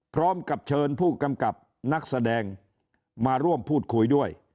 พร้อมกับเชิญผู้กำกับนักแสดงมาร่วมพูดคุยด้วย